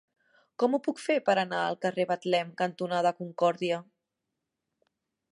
Com ho puc fer per anar al carrer Betlem cantonada Concòrdia?